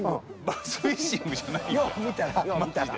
バスフィッシングじゃないんで。